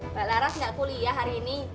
mbak laras nggak kuliah hari ini